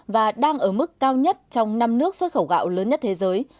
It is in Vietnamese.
và đang ở mức cao nhất trong năm nước xuất khẩu gạo lớn nhất thế giới